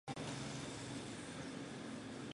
他大约在楚简王时期担任圉县县令。